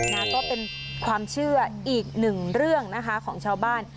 นะก็เป็นความเชื่ออีกหนึ่งเรื่องนะคะของชาวบ้าน